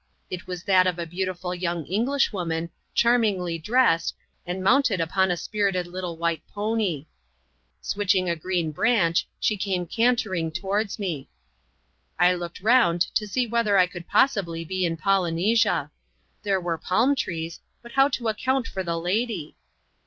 It was that of a beautiful young Englishwoman, charmingly dressed, and mounted upon a spirited little white pony. Switching a green branch, she came cantering towards me. I looked round to see whether I could possibly be in Poly nesia. There ^were the palm trees ; but how to account for the lady